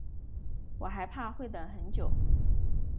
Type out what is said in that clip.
我还怕会等很久